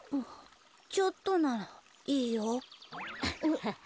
ちょっとならいいよ。